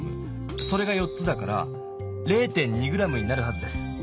それが４つだから０．２ｇになるはずです。